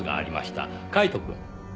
カイトくん。